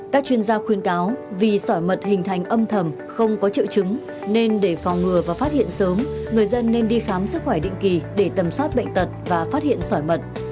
các chuyên gia khuyên cáo vì sỏi mật hình thành âm thầm không có triệu chứng nên để phòng ngừa và phát hiện sớm người dân nên đi khám sức khỏe định kỳ để tầm soát bệnh tật và phát hiện sỏi mật